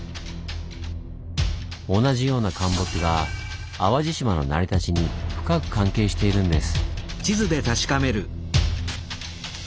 同じような陥没が淡路島の成り立ちに深く関係しているんです。